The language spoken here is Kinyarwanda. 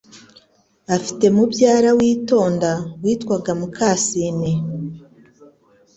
afite mubyara witonda witwaga mukasine